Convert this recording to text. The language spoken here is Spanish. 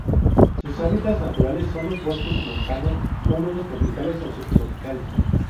Sus hábitats naturales son los bosques montanos húmedos tropicales o subtropicales.